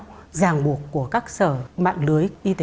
và giảng buộc của các sở mạng lưới y tế